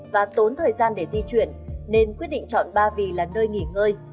và tốn thời gian để di chuyển nên quyết định chọn ba vì là nơi nghỉ ngơi